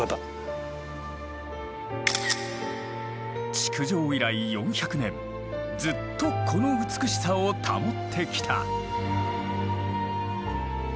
築城以来４００年ずっとこの美しさを保ってきた。